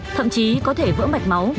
thậm chí có thể vỡ mạch máu